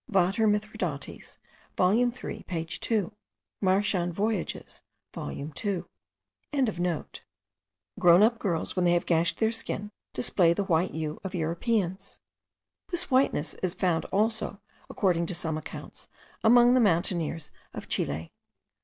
Vater Mithridates volume 3 page 2. Marchand Voyages volume 2.), grown up girls, when they have gashed their skin, display the white hue of Europeans. This whiteness is found also, according to some accounts, among the mountaineers of Chile.